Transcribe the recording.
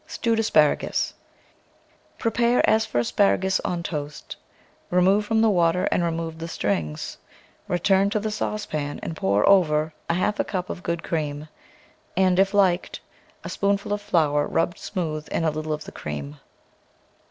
STEWED ASPARAGUS Prepare as for asparagus on toast; remove from the water and remove the strings. Return to the saucepan and pour over a half cup of good cream, and, if liked, a spoonful of flour rubbed smooth in a little of the cream.